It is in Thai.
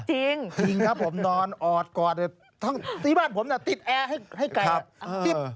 จริงครับผมนอนออดกอดทั้งที่บ้านผมน่ะติดแอร์ให้ไก่จิ๊บ